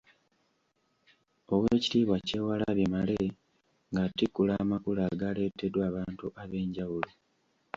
Oweekitiibwa Kyewalabye Male ng’atikkula amakula agaaleteddwa abantu ab'enjawulo.